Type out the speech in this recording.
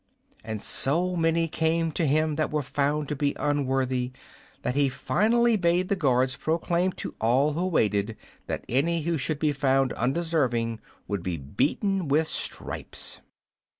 And so many came to him that were found to be unworthy that he finally bade the guards proclaim to all who waited that any who should be found undeserving would be beaten with stripes.